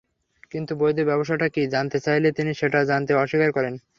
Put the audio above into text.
কিন্তু বৈধ ব্যবসাটা কী, জানাতে চাইলে তিনি সেটা জানাতে অস্বীকার করেন।